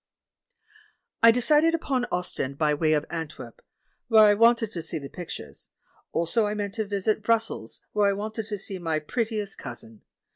I decided upon Ostend, by way of Antwerp, where I wanted to see the pictures ; also I meant to visit Brussels, where I wanted to see my pret tiest cousin.